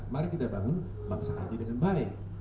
mari kita bangun bangsa ini dengan baik